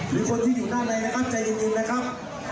หรือคนที่อยู่ด้านในนะครับใจเย็นนะครับ